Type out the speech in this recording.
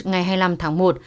ngày hai mươi năm tháng một